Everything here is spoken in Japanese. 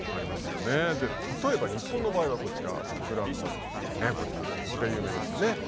例えば日本の場合はこちら桜のねっこちら有名ですよね。